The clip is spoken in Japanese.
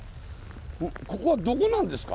ここはどこなんですか？